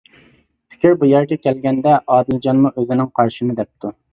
پىكىر بۇ يەرگە كەلگەندە، ئادىلجانمۇ ئۆزىنىڭ قارىشىنى دەپتۇ.